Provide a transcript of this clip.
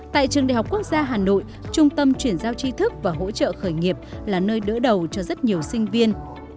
tại trường đại học quốc gia hà nội trung tâm chuyển giao tri thức và hỗ trợ khởi nghiệp là nơi đỡ đầu cho rất nhiều sinh viên